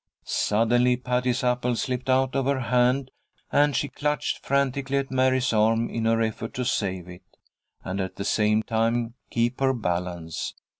Suddenly Patty's apple slipped out of her hand, and she clutched frantically at Mary's arm in her effort to save it, and at the same time keep her balance.